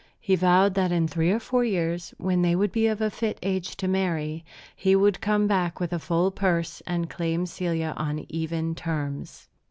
He vowed that in three or four years, when they would be of a fit age to marry, he would come back with a full purse and claim Celia on even terms.